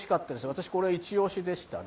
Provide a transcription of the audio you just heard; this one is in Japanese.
私これ、一押しでしたね。